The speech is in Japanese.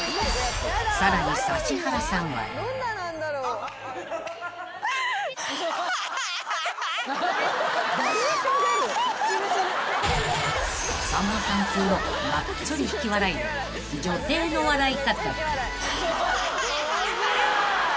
［さらに指原さんは］［さんまさん風のがっつり引き笑いな女帝の笑い方］